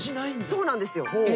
そうなんですよ。